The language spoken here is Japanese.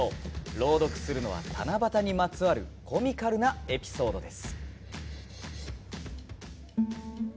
朗読するのは七夕にまつわるコミカルなエピソードです。